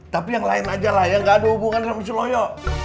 tapi yang lain aja lah yang gak ada hubungan sama celoyo